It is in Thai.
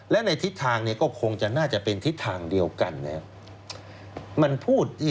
และในทิศทางเนี่ยก็คงจะน่าจะเป็นทิศทางเดียวกันนะครับ